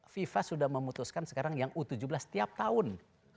fifa sudah memutuskan sekarang yang u tujuh belas setiap tahun